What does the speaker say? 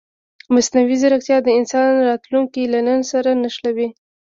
مصنوعي ځیرکتیا د انسان راتلونکی له نن سره نښلوي.